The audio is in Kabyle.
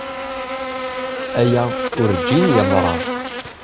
Aya urǧin yeḍra.